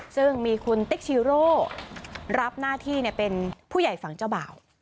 ซึ่งมีคุณติ๊กชีโร่รับหน้าที่เป็นผู้ใหญ่ฝั่งเจ้าบ่าว